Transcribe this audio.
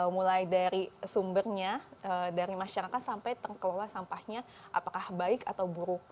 mulai dari sumbernya dari masyarakat sampai terkelola sampahnya apakah baik atau buruk